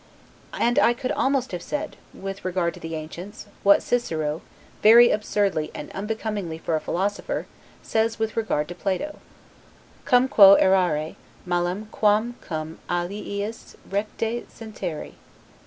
And I could almost have said, with regard to the ancients, what Cicero, very absurdly and unbecomingly for a philosopher, says with regard to Plato, 'Cum quo errare malim quam cum aliis recte sentire'.